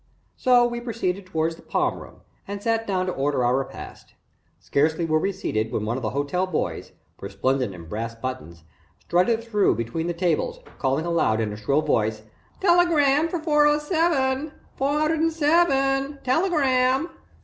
So we proceeded towards the Palm Room and sat down to order our repast. Scarcely were we seated when one of the hotel boys, resplendent in brass buttons, strutted through between the tables, calling aloud in a shrill voice: "Telegram for four oh seven. Four hundred and seven, telegram."